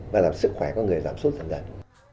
và làm sức khỏe con người giảm sút dần dần